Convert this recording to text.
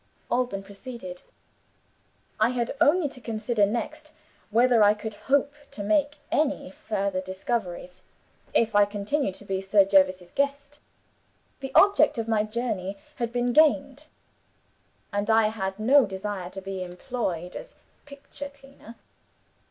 Alban proceeded. "I had only to consider next, whether I could hope to make any further discoveries, if I continued to be Sir Jervis's guest. The object of my journey had been gained; and I had no desire to be employed as picture cleaner.